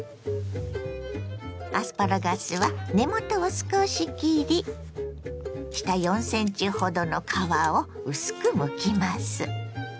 アスパラガスは根元を少し切り下４ｃｍほどの皮を薄くむきます。